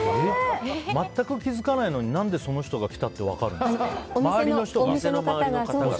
全く気付かないのにその人が来たって分かるんですか？